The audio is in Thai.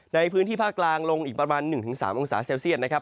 ในพื้นที่ภาคกลางลงอีกประมาณ๑๓องศาเซลเซียตนะครับ